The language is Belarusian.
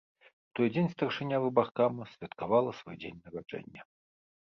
У той дзень старшыня выбаркама святкавала свой дзень нараджэння.